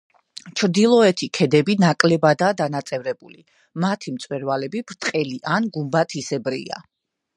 ჩრდილოეთი ქედები ნაკლებადაა დანაწევრებული, მათი მწვერვალები ბრტყელი ან გუმბათისებრია.